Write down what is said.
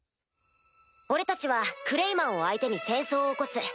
俺たちはクレイマンを相手に戦争を起こす。